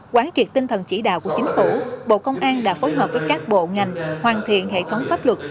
quán triệt tinh thần chỉ đạo của chính phủ bộ công an đã phối hợp với các bộ ngành hoàn thiện hệ thống pháp luật